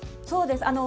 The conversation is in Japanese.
そうです。